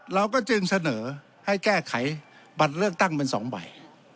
เราก็จึงเสนอให้แก้ไขบัตรเลือกตั้งเป็น๒ใบ